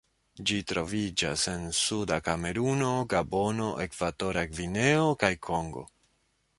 Ĝi troviĝas en suda Kameruno, Gabono, Ekvatora Gvineo, kaj Kongo.